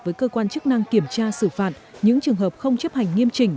với cơ quan chức năng kiểm tra xử phạt những trường hợp không chấp hành nghiêm chỉnh